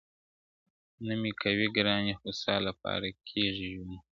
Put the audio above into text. نه مي کوئ گراني، خو ستا لپاره کيږي ژوند,